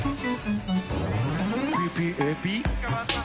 ＰＰＡＰ。